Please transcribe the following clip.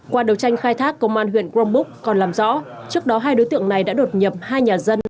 qua đấu tranh khai thác công an huyện crombook còn làm rõ trước đó hai đối tượng này đã đột nhập hai nhà dân